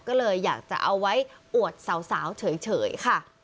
ก็เลยอยากจะเอาไว้อวดสาวเฉยค่ะ